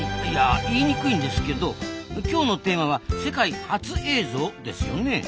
いや言いにくいんですけど今日のテーマは「世界初映像」ですよね？